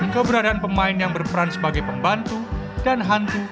keberadaan pemain yang berperan sebagai pembantu dan hantu